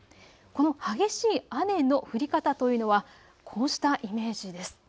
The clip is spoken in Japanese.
この激しい雨の降り方というのはこうしたイメージです。